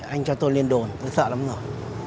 anh cho tôi liên đồn tôi sợ lắm rồi